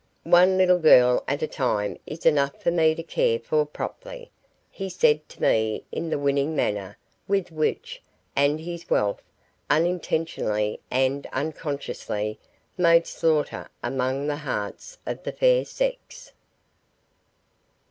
"One little girl at a time is enough for me to care for properly," he said to me in the winning manner with which, and his wealth, unintentionally and unconsciously made slaughter among the hearts of the fair sex.